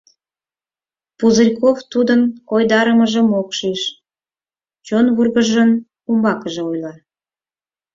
Пузырьков тудын койдарымыжым ок шиж, чон вургыжын умбакыже ойла.